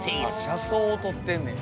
車窓を撮ってんねや。